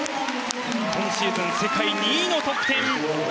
今シーズン世界２位の得点。